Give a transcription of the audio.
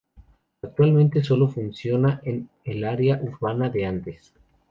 Actualmente sólo funciona una en el área urbana de Andes.